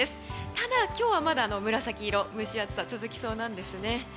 ただ、今日は紫色蒸し暑さが続きそうなんですね。